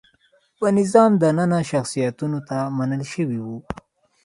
په نظام دننه شخصیتونو ته منل شوي وو.